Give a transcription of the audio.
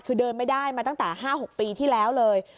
คือเดินไม่ได้มาตั้งแต่๕๖ปีที่แล้วเลย